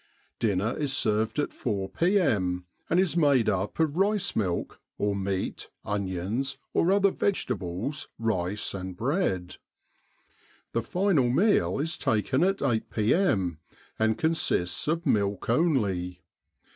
Dinner is served at 4 p.m., and is made up of rice milk, or meat, onions or other vegetables, rice, and bread. The final meal is taken at 8 p.m., and consists of milk only.